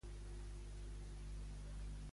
I quan tornaria a Espanya?